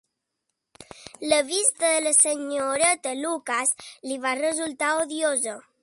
La vista de la senyoreta Lucas li va resultar odiosa.